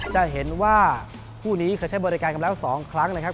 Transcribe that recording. จะเห็นว่าคู่นี้เคยใช้บริการกันแล้ว๒ครั้งนะครับ